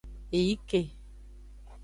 Eyi ke.